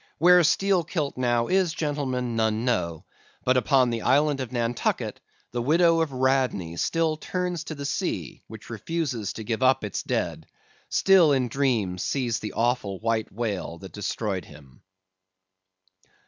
"Where Steelkilt now is, gentlemen, none know; but upon the island of Nantucket, the widow of Radney still turns to the sea which refuses to give up its dead; still in dreams sees the awful white whale that destroyed him.